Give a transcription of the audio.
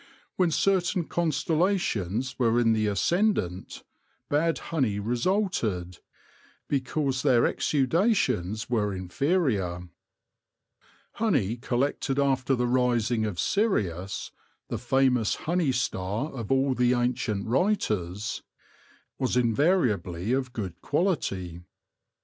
When certain constellations were in the ascendant, bad honey resulted, because their exudations were inferior. Honey collected after the rising of Sirius — the famous io THE LORE OF THE HONEY BEE honey star of all the ancient writers — was invariably of good quality.